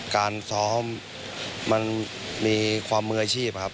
การซ้อมมันมีความมืออาชีพครับ